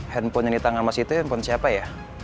handphone yang di tangan mas itu handphone siapa ya